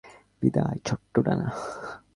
বিদায়, ছোট্ট ডানা।